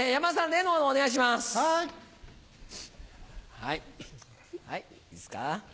はいいいですか？